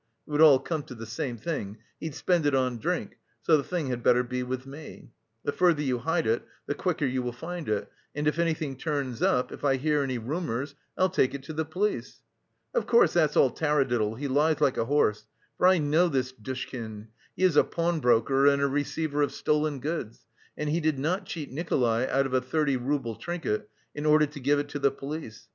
It would all come to the same thing he'd spend it on drink, so the thing had better be with me. The further you hide it the quicker you will find it, and if anything turns up, if I hear any rumours, I'll take it to the police.' Of course, that's all taradiddle; he lies like a horse, for I know this Dushkin, he is a pawnbroker and a receiver of stolen goods, and he did not cheat Nikolay out of a thirty rouble trinket in order to give it to the police.